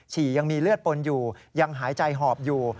ฉี่ยังมีเลือดปนอยู่ยังหายใจหอบอยู่